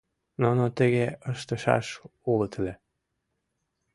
Нуно тыге ыштышаш улыт ыле.